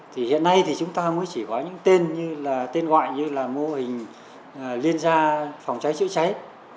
thì hiện nay thì chúng ta mới chỉ có những tên như là tên gọi như là mô hình liên gia phòng cháy chữa cháy